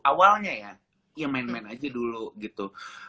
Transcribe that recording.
awalnya ya main main aja dulu gitu